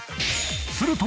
すると。